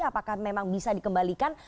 apakah memang bisa dikembalikan